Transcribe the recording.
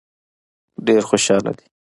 ډېر خوشاله دي.